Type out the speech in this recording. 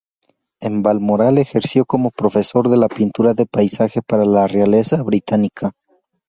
En Balmoral ejerció como profesor de pintura de paisaje para la realeza británica.